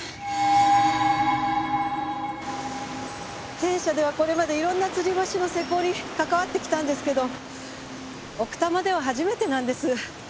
弊社ではこれまでいろんなつり橋の施工に関わってきたんですけど奥多摩では初めてなんです。